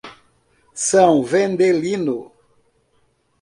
São Vendelino